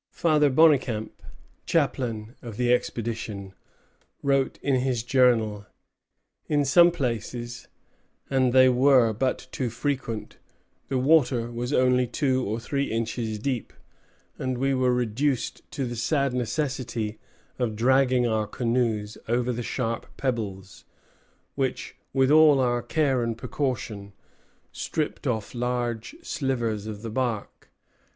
Father Bonnecamp, chaplain of the expedition, wrote, in his Journal: "In some places and they were but too frequent the water was only two or three inches deep; and we were reduced to the sad necessity of dragging our canoes over the sharp pebbles, which, with all our care and precaution, stripped off large slivers of the bark.